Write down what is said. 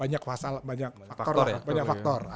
ya banyak faktor ya